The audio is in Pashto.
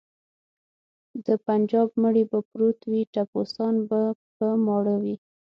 د بنجاب مړی به پروت وي ټپوسان به په ماړه وي.